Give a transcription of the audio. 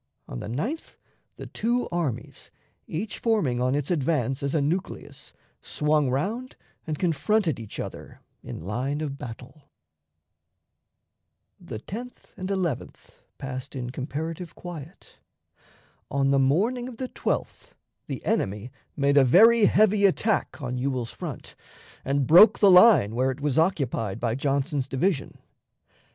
On the 9th the two armies, each forming on its advance as a nucleus, swung round and confronted each other in line of battle. The 10th and 11th passed in comparative quiet. On the morning of the 12th the enemy made a very heavy attack on Ewell's front, and broke the line where it was occupied by Johnson's division.